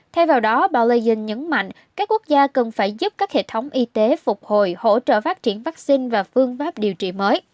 thay vào đó bao lagin nhấn mạnh các quốc gia cần phải giúp các hệ thống y tế phục hồi hỗ trợ phát triển vaccine và phương pháp điều trị mới